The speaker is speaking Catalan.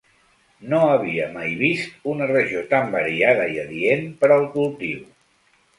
No havia mai vist una regió tan variada i adient per al cultiu.